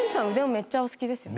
めっちゃお好きですよね？